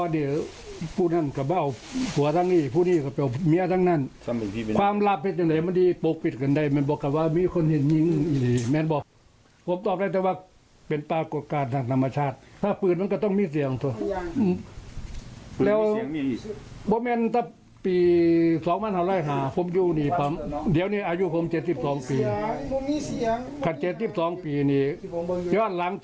เดี๋ยวนี่อายุผม๗๒ปี๗๒ปีนี่ยอดหลังจากปีสองบ้านหลายห่าง